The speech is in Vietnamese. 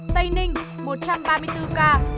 tây ninh một trăm ba mươi bốn ca